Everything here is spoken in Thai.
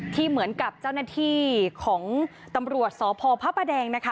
เหมือนกับเจ้าหน้าที่ของตำรวจสพพระประแดงนะคะ